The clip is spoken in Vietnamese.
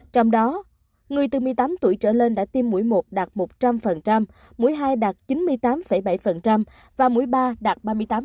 trong đó người từ một mươi tám tuổi trở lên đã tiêm mũi một đạt một trăm linh mũi hai đạt chín mươi tám bảy và mũi ba đạt ba mươi tám